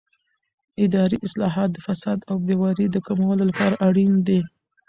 اداري اصلاحات د فساد او بې باورۍ د کمولو لپاره اړین دي